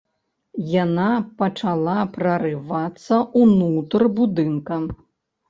Яна пачала прарывацца ўнутр будынка.